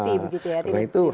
tidak terbukti begitu ya